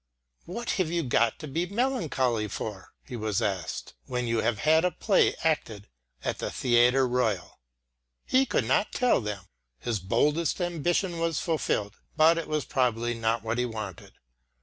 "What have you got to be melancholy for," he was asked, "when you have had a play acted by the Theatre Royal?" He could not tell them. His boldest ambition was fulfilled; but it was probably not what he wanted.